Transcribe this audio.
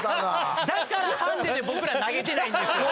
だからハンディで僕ら投げてないんですよ。